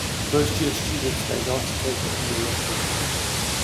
First-year students may not take any electives.